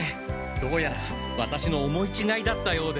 どうやらワタシの思いちがいだったようです。